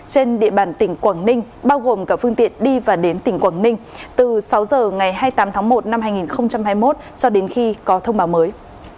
trên địa bàn tỉnh quảng ninh bao gồm cả phương tiện đi và đến tỉnh quảng ninh từ sáu h ngày hai mươi tám tháng một năm hai nghìn hai mươi một cho đến khi có thông báo mới